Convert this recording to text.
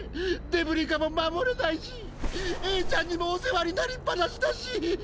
デブリ課も守れないしエーちゃんにもお世話になりっぱなしだし。